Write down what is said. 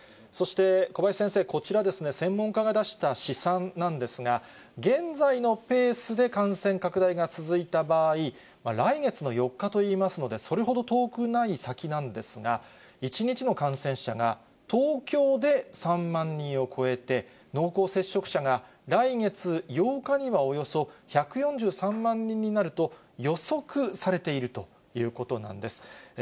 そして小林先生、こちらですね、専門家が出した試算なんですが、現在のペースで感染拡大が続いた場合、来月の４日といいますので、それほど遠くない先なんですが、１日の感染者が、東京で３万人を超えて、濃厚接触者が来月８日にはおよそ１４３万人になると予測されているということなんです。